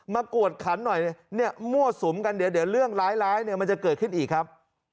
กวดขันหน่อยเนี่ยมั่วสุมกันเดี๋ยวเรื่องร้ายเนี่ยมันจะเกิดขึ้นอีกครับ